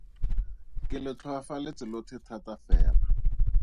Ke le tlhoafaletse lotlhe thata fela.